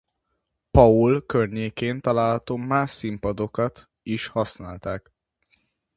Paul környékén található más színpadokat is használták.